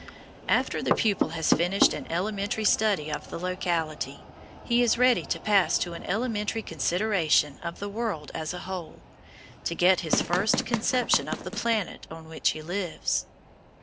After the pupil has finished an elementary study of the locality, he is ready to pass to an elementary consideration of the world as a whole, to get his first conception of the planet on which he lives.